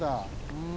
うん。